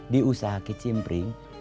di usaha kicimpring